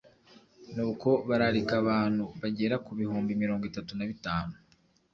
nuko bararika abantu bagera ku bihumbi mirongo itatu na bitanu